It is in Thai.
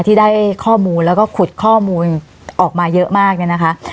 ที่ได้ข้อมูลแล้วก็ขุดข้อมูลออกมาเยอะมากเนี่ยนะคะ